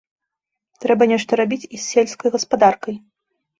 Трэба нешта рабіць і з сельскай гаспадаркай.